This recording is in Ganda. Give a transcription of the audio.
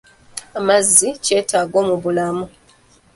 Amazzi kyetaago mu bulamu.